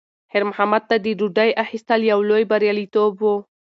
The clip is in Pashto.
خیر محمد ته د ډوډۍ اخیستل یو لوی بریالیتوب و.